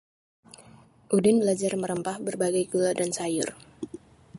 Udin belajar merempah berbagai gulai dan sayur